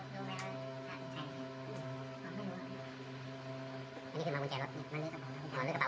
แล้วจะมีคนติดตามมา๒คน๒คนนี้คือคนขับรถให้